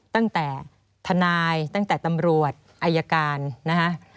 ตั้งแต่ทนายตั้งแต่ตำรวจอายการนะคะ